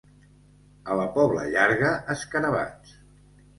A la Pobla Llarga, escarabats.